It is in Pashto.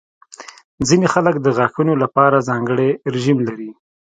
ځینې خلک د غاښونو لپاره ځانګړې رژیم لري.